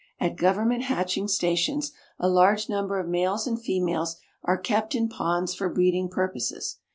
At government hatching stations a large number of males and females are kept in ponds for breeding purposes.